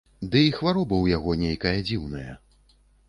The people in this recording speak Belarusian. Ды і хвароба ў яго нейкая дзіўная.